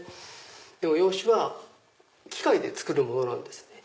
でも洋紙は機械で作るものなんですね。